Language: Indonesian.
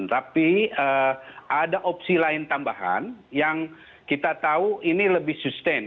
tapi ada opsi lain tambahan yang kita tahu ini lebih sustain